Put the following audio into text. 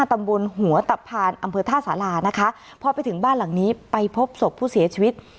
ตำบลหัวตะพานอำเภอท่าสารานะคะพอไปถึงบ้านหลังนี้ไปพบศพผู้เสียชีวิต